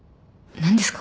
何ですか？